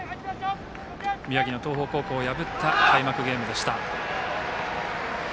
宮城の東北高校を破った開幕ゲームでした。